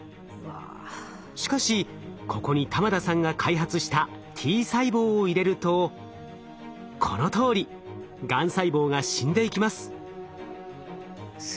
しかしここに玉田さんが開発したＴ細胞を入れるとこのとおりがん細胞が死んでいきます。